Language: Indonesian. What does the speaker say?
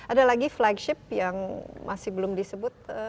ada lagi flagship yang masih belum disebut